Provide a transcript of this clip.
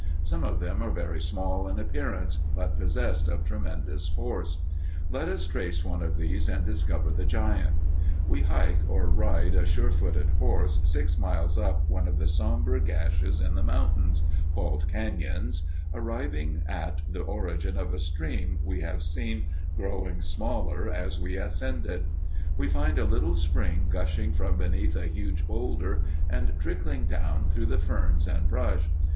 Some of them are very small in appearance, but possessed of tremendous force. Let us trace one of these and discover the giant. We hike, or ride a sure footed horse, six miles up one of the somber gashes in the mountains, called cañons, arriving at the origin of a stream we have seen growing smaller as we ascended. We find a little spring gushing from beneath a huge boulder and trickling down through the ferns and brush.